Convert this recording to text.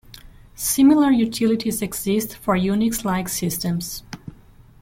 Similar utilities exist for Unix-like systems.